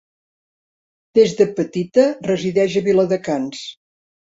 Des de petita resideix a Viladecans.